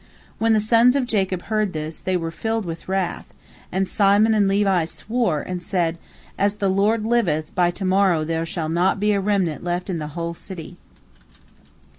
When the sons of Jacob heard this, they were filled with wrath, and Simon and Levi swore, and said, "As the Lord liveth, by to morrow there shall not be a remnant left In the whole city."